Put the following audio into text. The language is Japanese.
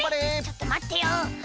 ちょっとまってよ。